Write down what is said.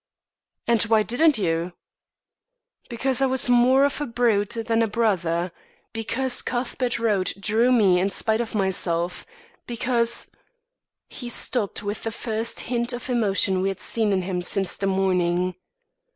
"And why didn't you?" "Because I was more of a brute than a brother because Cuthbert Road drew me in spite of myself because " He stopped with the first hint of emotion we had seen in him since the morning.